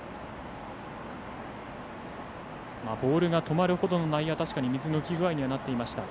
ボールが止まるほどの水の浮き具合にはなっていました。